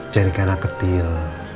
jangan keliatan ketil